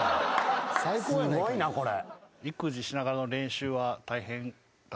すごいなこれ。